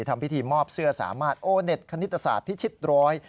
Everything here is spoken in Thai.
ทำพิธีมอบเสื้อสามารถโอเน็ตคณิตศาสตร์พิชิตร้อย